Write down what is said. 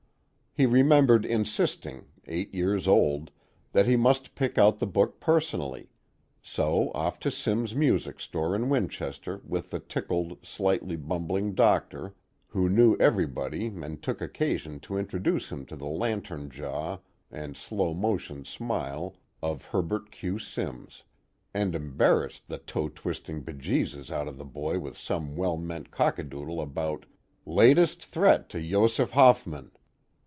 He remembered insisting, eight years old, that he must pick out the book personally, so off to Simms' Music Store in Winchester with the tickled, slightly bumbling Doctor, who knew everybody and took occasion to introduce him to the lantern jaw and slow motion smile of Hubert Q. Simms; and embarrassed the toe twisting bejesus out of the boy with some well meant cockadoodle about "latest threat to Josef Hofmann."